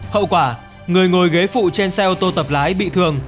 hậu quả người ngồi ghế phụ trên xe ô tô tập lái bị thương